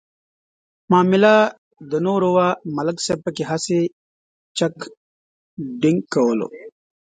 معامله د نور وه ملک صاحب پکې هسې چک ډینک کولو.